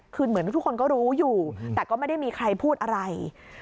คือเหมือนทุกคนก็รู้อยู่แต่ก็ไม่ได้มีใครพูดอะไร